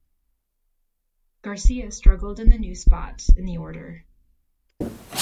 Garcia struggled in the new spot in the order.